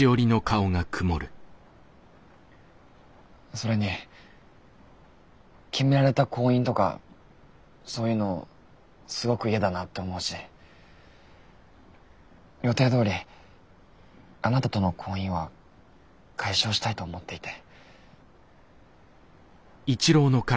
それに決められた婚姻とかそういうのすごく嫌だなって思うし予定どおりあなたとの婚姻は解消したいと思っていて。